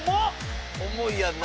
重いやんな。